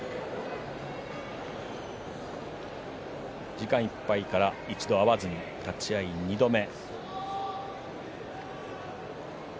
時間いっぱいから一度合わずに立ち合い２度目。